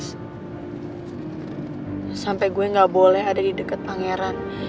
sampai gue gak boleh ada di dekat pangeran